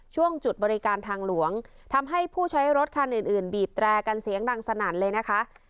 ช่วงจุดบริการทางหลวงทำให้ผู้ใช้รถคันอื่นอื่นบีบแตรกันเสียงดังสนั่นเลยนะคะ